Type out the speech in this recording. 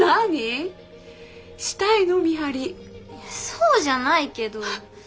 そうじゃないけど。